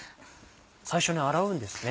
最初に洗うんですね。